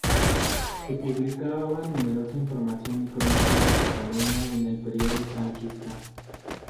Se publicaba numerosa información y crónicas de Cataluña en el periodo franquista.